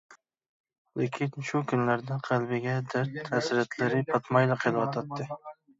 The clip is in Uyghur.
لېكىن شۇ كۈنلەردە قەلبىگە دەرد-ھەسرەتلىرى پاتمايلا قېلىۋاتاتتى.